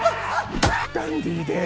ダンディーで。